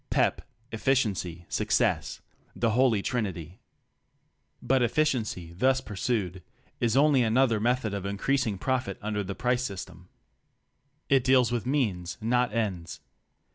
Pep, efficiency, success — the holy trinity. But efficiency, thus pursued, is only another method of increasing profit under the price system. It deals with means, not ends.